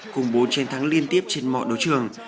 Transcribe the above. cùng bốn chiến thắng liên tiếp trên mọi đấu trường